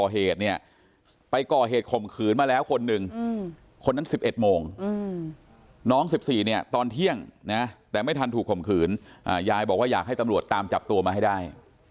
ข่มขืนมาแล้วคนหนึ่งคนนั้น๑๑โมงน้อง๑๔เนี่ยตอนเที่ยงนะแต่ไม่ทันถูกข่มขืนยายบอกว่าอยากให้ตำรวจตามจับตัวมาให้ได้